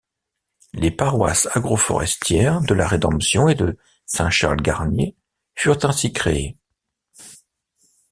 Les paroisses agro-forestières, de La Rédemption et de Saint-Charles-Garnier furent ainsi créées.